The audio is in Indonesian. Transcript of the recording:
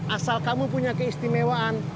asal kamu punya keistimewaan